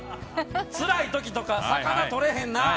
つらいときとか魚とれへんなって。